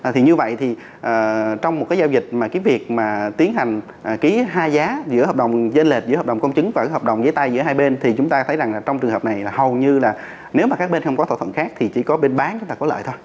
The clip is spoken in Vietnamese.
thì như vậy thì trong một cái giao dịch mà cái việc mà tiến hành ký hai giá giữa hợp đồng dân lệch giữa hợp đồng công chứng và hợp đồng với tay giữa hai bên thì chúng ta thấy rằng là trong trường hợp này là hầu như là nếu mà các bên không có thỏa thuận khác thì chỉ có bên bán chúng ta có lợi thôi